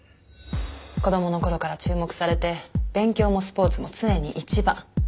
子供の頃から注目されて勉強もスポーツも常に一番。